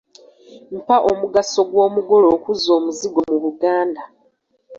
Mpa omugaso gw’omugole okuzza omuzigo mu Buganda.